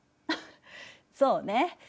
そうね。